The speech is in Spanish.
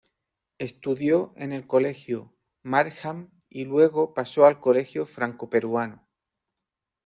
Estudió en el Colegio Markham y luego pasó al Colegio Franco-Peruano.